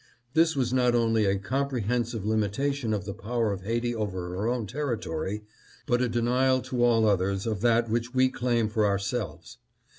This was not only a comprehensive limitation of the power of Haiti over her own territory, but a denial to all others of that which we claim for ourselves.